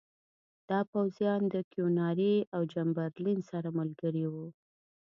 دا پوځیان د کیوناري او چمبرلین سره ملګري وو.